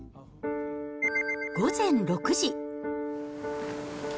午前６時。